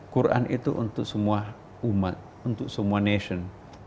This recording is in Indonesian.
quran itu untuk semua umat untuk semua nation